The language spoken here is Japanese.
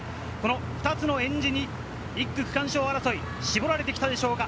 この２つのえんじに１区の区間賞争い、絞られてきたでしょうか。